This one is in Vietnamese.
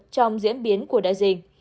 trong diễn biến của đại dịch